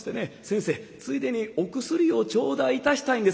「先生ついでにお薬を頂戴いたしたいんですが」。